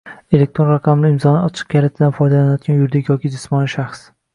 elektron raqamli imzoning ochiq kalitidan foydalanayotgan yuridik yoki jismoniy shaxs